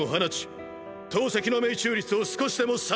投石の命中率を少しでも下げる！！